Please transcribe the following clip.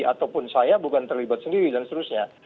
ataupun saya bukan terlibat sendiri dan seterusnya